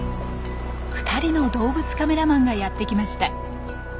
２人の動物カメラマンがやって来ました。